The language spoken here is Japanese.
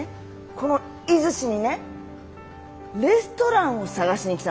この出石にねレストランを探しに来たんですよ。